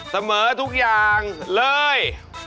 เสมอทุกอย่างเลย